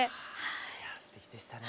いやぁすてきでしたね。